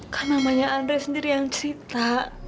kan namanya andre sendiri yang cinta